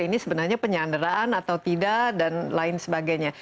ini sebenarnya penyanderaan atau tidak dan lain sebagainya